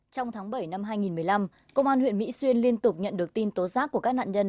trong tháng bảy năm hai nghìn một mươi năm công an huyện mỹ xuyên liên tục nhận được tin tố giác của các nạn nhân